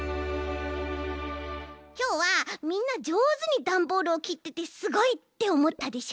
きょうはみんなじょうずにダンボールをきっててすごいっておもったでしょ？